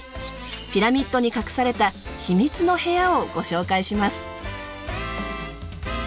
ピラミッドに隠された秘密の部屋をご紹介します。